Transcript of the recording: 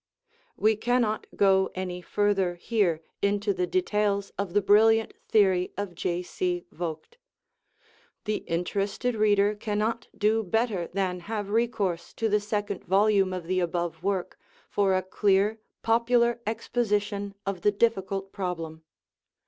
We cannot go any further here into the details of the brilliant theory of J. C. Vogt. The interested reader cannot do better than have recourse to the second vol ume of the above work for a clear, popular exposition of the difficult problem.